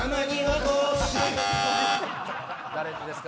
誰ですか？